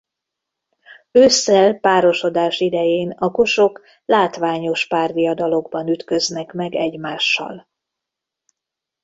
Ősszel párosodás idején a kosok látványos párviadalokban ütköznek meg egymással.